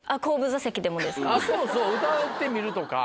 そうそう歌ってみるとか。